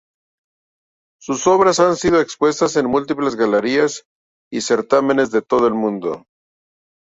Sus obras han sido expuestas en múltiples galerías y certámenes de todo el mundo.